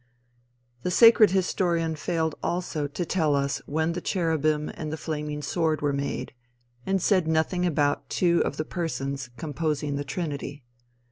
The sacred historian failed also to tell us when the cherubim and the flaming sword were made, and said nothing about two of the persons composing the trinity.